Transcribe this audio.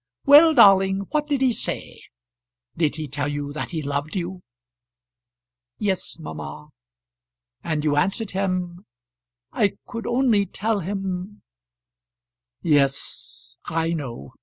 "Well, darling; what did he say? Did he tell you that he loved you?" "Yes, mamma." "And you answered him " "I could only tell him " "Yes, I know.